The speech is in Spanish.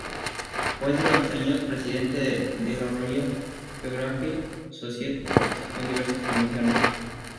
Fue durante años presidente de la Royal Geographical Society y participó en diversas comisiones.